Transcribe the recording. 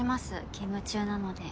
勤務中なので。